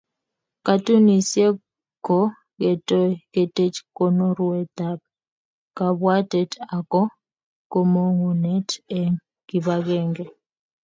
Katunisyet ko ketoi ketech konorweetab kabwatet ako komong'unet eng kibagenge.